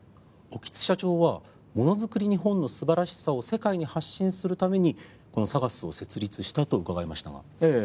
興津社長はものづくり日本の素晴らしさを世界に発信するためにこのＳＡＧＡＳを設立したと伺いましたがええ